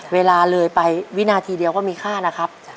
เวลาเลยไปวินาทีเดียวก็มีค่านะครับ